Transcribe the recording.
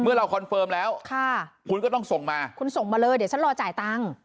เราคอนเฟิร์มแล้วค่ะคุณก็ต้องส่งมาคุณส่งมาเลยเดี๋ยวฉันรอจ่ายตังค์